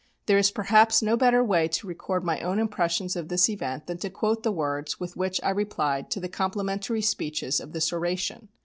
There is, perhaps, no better way to record my own impressions of this event than to quote the words with which I replied to the complimentary speeches of this oration.